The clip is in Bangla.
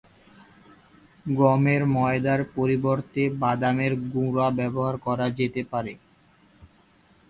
গমের ময়দার পরিবর্তে বাদামের গুঁড়া ব্যবহার করা হতে পারে।